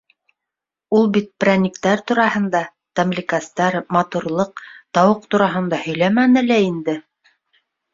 Ул бит прәниктәр тураһында, тәмлекәстәр, матурлыҡ, тауыҡ тураһында һөйләмәне лә инде.